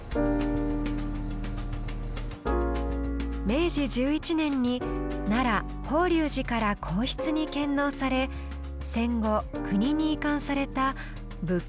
明治１１年に奈良・法隆寺から皇室に献納され戦後国に移管された仏教美術品の数々。